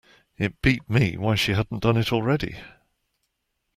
It beat me why she hadn't done it already.